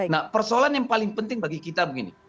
nah persoalan yang paling penting bagi kita begini